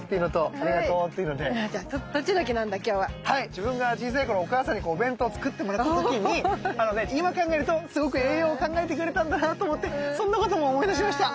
自分が小さい頃お母さんにお弁当作ってもらった時に今考えるとすごく栄養考えてくれてたんだなと思ってそんなことも思い出しました。